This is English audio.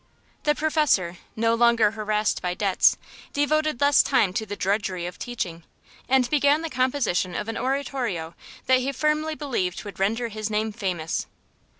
The Professor, no longer harrassed by debts, devoted less time to the drudgery of teaching and began the composition of an oratorio that he firmly believed would render his name famous.